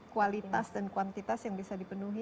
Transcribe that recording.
kualitas dan kuantitas yang bisa dipenuhi